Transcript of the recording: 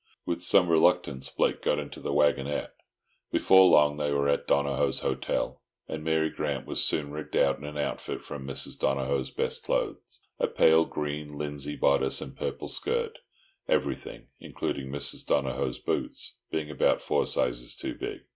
With some reluctance Blake got into the waggonette; before long they were at Donohoe's Hotel, and Mary Grant was soon rigged out in an outfit from Mrs. Donohoe's best clothes—a pale green linsey bodice and purple skirt—everything, including Mrs. Donohoe's boots, being about four sizes too big.